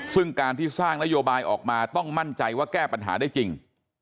ซึ่งการที่สร้างนโยบายออกมาต้องมั่นใจว่าแก้ปัญหาได้จริง